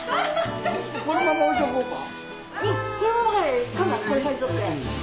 このまま置いとこうか。